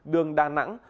đường đà nẵng